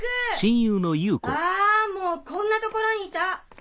あもうこんな所にいた！